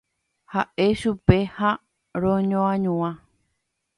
Ha'e chupe ha roñoañua.